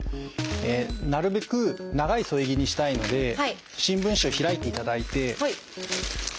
なるべく長い添え木にしたいので新聞紙を開いていただいて。